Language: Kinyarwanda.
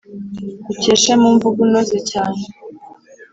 ukeshe mu mvugo unoze cyane.